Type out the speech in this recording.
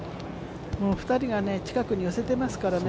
２人が近くに寄せてますからね。